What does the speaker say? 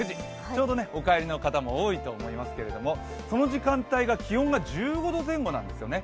ちょうどお帰りの方も多いと思いますけれどもその時間帯が気温が１５度前後なんですよね。